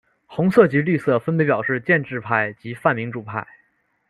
红色及绿色分别表示建制派及泛民主派。